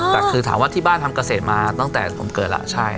แต่คือถามว่าที่บ้านทำเกษตรมาตั้งแต่ผมเกิดแล้วใช่